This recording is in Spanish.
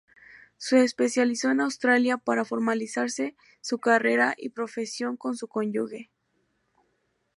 Se especializó en Australia para formalizarse su carrera y su profesión con su cónyuge.